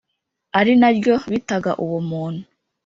ari naryo bitaga uwo muntu